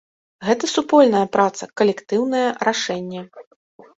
Гэта супольная праца, калектыўнае рашэнне.